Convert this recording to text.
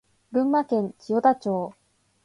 群馬県千代田町